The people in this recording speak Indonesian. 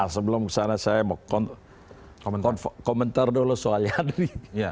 sebelum saya mau komentar dulu soal yandri